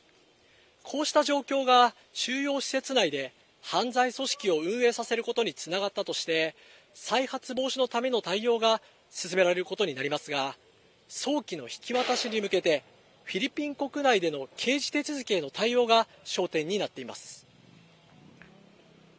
こうした状況が収容施設内で犯罪組織を運営させることにつながったとして、再発防止のための対応が進められることになりますが、早期の引き渡しに向けて、フィリピン国内での刑事手続きへの対応が焦点になっています。